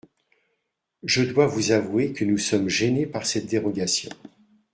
Je dois vous avouer que nous sommes gênés par cette dérogation.